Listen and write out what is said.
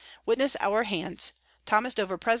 Witness our Hands_, Tho. Dover, _Pres.